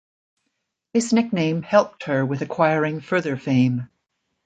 This nickname helped her with acquiring further fame.